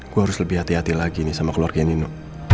gue harus lebih hati hati lagi nih sama keluarga nino